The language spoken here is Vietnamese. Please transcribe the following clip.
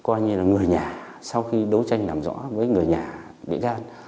thì chính coi như là người nhà sau khi đấu tranh làm rõ với người nhà bị can